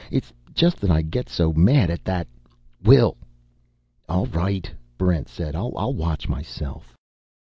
"It's just that I get so mad at that " "Will!" "All right," Barrent said. "I'll watch myself."